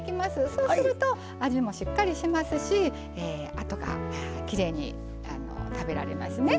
そうすると味もしっかりしますしあとがきれいに食べられますね。